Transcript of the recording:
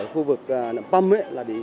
khu vực nặng băm